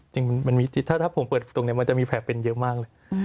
จริงถ้าผมเปิดตรงนี้มันจะมีแผลเป็นเยอะมากเลย